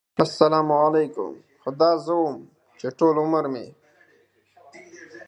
خو دا زه وم چې ټول عمر مې